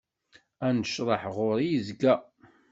Anecreḥ ɣuri yezga.